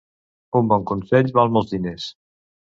Un bon consell val molts diners.